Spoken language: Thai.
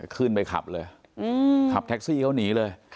ขึ้นไปขับเลยขับแท็กซี่เขาหนีเลย